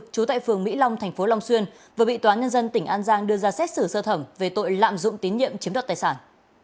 chú tại phường mỹ long thành phố long xuyên vừa bị tòa nhân dân tỉnh an giang đưa ra xét xử sơ thẩm về tội lạm dụng tín nhiệm chiếm đoạt tài sản